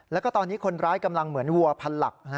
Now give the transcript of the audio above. แล้วก็ตอนนี้คนร้ายกำลังเหมือนวัวพันหลัก